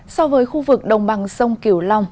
so với khu vực đồng bằng sông kiều long